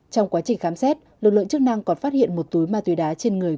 trong quá trình khám xét lực lượng chức năng còn phát hiện một túi ma túy đá trên người